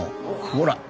ほら！